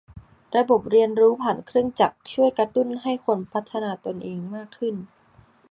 ระบบเรียนรู้ผ่านเครื่องจักรช่วยกระตุ้นให้คนพัฒนาตนเองมากขึ้น